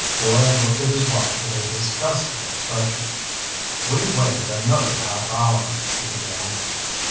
Doyle looked at his watch with a disgusted expression. "We've wasted another half hour—" he began.